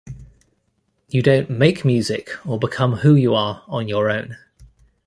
You don’t make music or become who you are on your own.